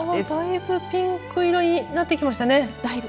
だいぶピンク色になってきましたね。